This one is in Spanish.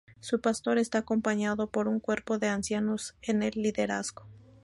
Su pastor está acompañado por un cuerpo de ancianos en el liderazgo.